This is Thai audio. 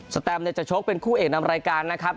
สแตมเนี่ยจะโชคเป็นคู่เอกนำรายการนะครับ